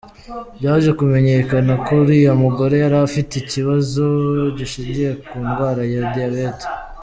Byaje kumenyekana ko uriya mugore yari afite ikibazo gishingiye ku ndwara ya Diyabete.